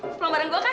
pelang barang gua kan